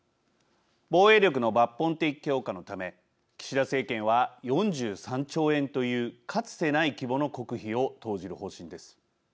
防衛力の抜本的強化のため岸田政権は４３兆円というかつてない規模の国費を投じる方針です。